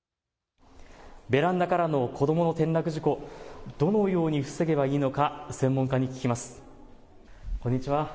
ベランダからの子どもの転落事故、どのように防げばいいのか専門家に聞きます。